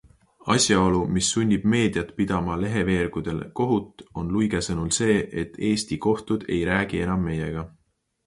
Asjaolu, mis sunnib meediat pidama leheveergudel kohut, on Luige sõnul see, et Eesti kohtud ei räägi enam meiega.